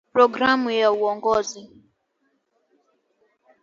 Programu ya uongozi